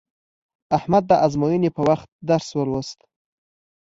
احمد د ازموینې په وخت درس ولوست.